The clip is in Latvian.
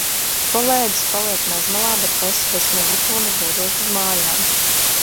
Kolēģis paliek mežmalā, bet es bez mugursomas dodos uz mājām.